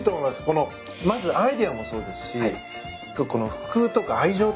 このまずアイデアもそうですしこの福とか愛情っていうんすかね